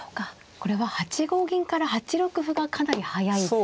これは８五銀から８六歩がかなり速い攻めなんですね。